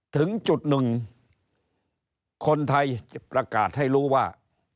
ถึงจุดหนึ่งคนไทยประกาศให้รู้ว่า